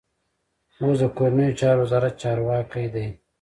اوس د کورنیو چارو وزارت چارواکی دی.